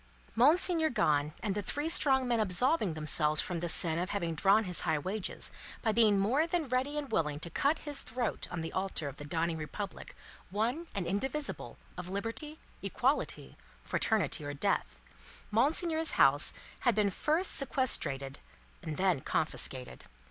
Monseigneur gone, and the three strong men absolving themselves from the sin of having drawn his high wages, by being more than ready and willing to cut his throat on the altar of the dawning Republic one and indivisible of Liberty, Equality, Fraternity, or Death, Monseigneur's house had been first sequestrated, and then confiscated.